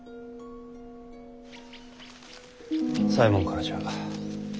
左衛門からじゃ。